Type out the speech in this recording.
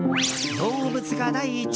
動物が第一！